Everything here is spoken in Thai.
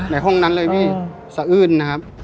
ในห้องนั้นเลยพี่สะอื้นนะครับ